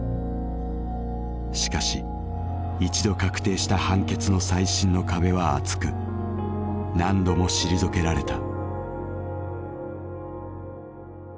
しかし一度確定した判決の再審の壁は厚く何度も退けられた。